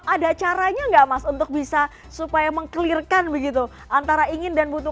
ada caranya nggak mas untuk bisa supaya meng clearkan begitu antara ingin dan butuh